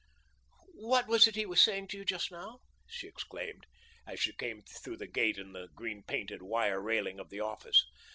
"What was it he was saying to you just now," she exclaimed, as she came through the gate in the green painted wire railing of the office.